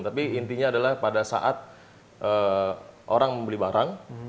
tapi intinya adalah pada saat orang membeli barang